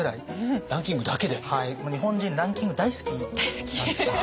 日本人ランキング大好きなんですよ。